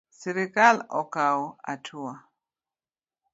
Sirkal okaw atua